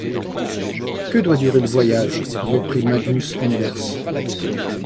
Que doit durer le voyage ?… reprit Magnus Anders.